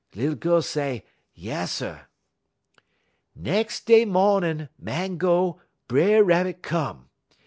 Lil gal say yasser. "Nex' day mawnin', Màn go, B'er Rabbit come.